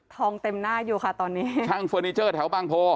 เต็มหน้าอยู่ค่ะตอนนี้ช่างเฟอร์นิเจอร์แถวบางโพ